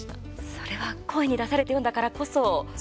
それは声に出されて読んだからこそ。